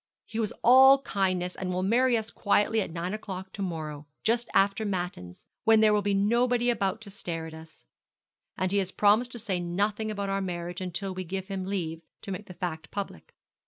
He was all kindness, and will marry us quietly at nine o'clock to morrow, just after Matins, when there will be nobody about to stare at us; and he has promised to say nothing about our marriage until we give him leave to make the fact public.'